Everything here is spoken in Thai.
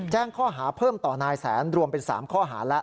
แจ้งข้อหาเพิ่มต่อนายแสนรวมเป็น๓ข้อหาแล้ว